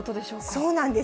そうなんです。